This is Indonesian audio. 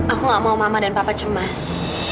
aku gak mau mama dan papa cemas